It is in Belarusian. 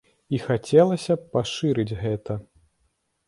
І хацелася б пашырыць гэта.